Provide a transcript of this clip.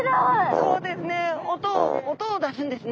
そうですね。